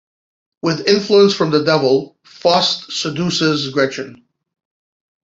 With influence from the devil, Faust seduces Gretchen.